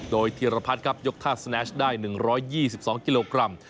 โดยธีรพัฒน์ครับยกท่าสแนชได้๑๒๒กิโลกรัม